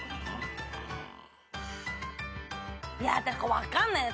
分かんないな。